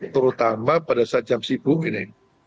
terutama pada saat jam sibuk ini